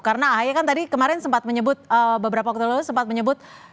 karena ahy kan tadi kemarin sempat menyebut beberapa waktu lalu sempat menyebut